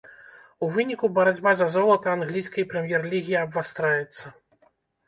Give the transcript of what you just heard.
У выніку барацьба за золата англійскай прэм'ер-лігі абвастраецца.